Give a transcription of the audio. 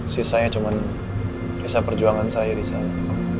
sisanya cuma kisah perjuangan saya di sana